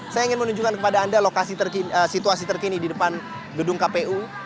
saya ingin menunjukkan kepada anda situasi terkini di depan gedung kpu